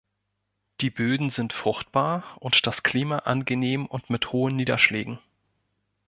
Die Böden sind fruchtbar und das Klima angenehm und mit hohen Niederschlägen.